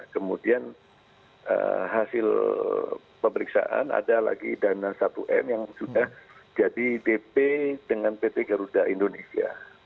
kemudian hasil pemeriksaan ada lagi dana satu m yang sudah jadi dp dengan pt garuda indonesia